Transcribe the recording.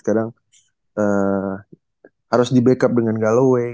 kadang harus di backup dengan galaway